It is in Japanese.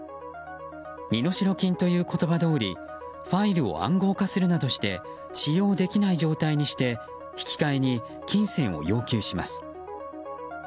身代金という言葉どおりファイルを暗号化するなどして使用できない状態にして引き換えに金銭を要求します。